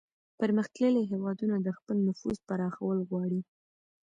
پرمختللي هیوادونه د خپل نفوذ پراخول غواړي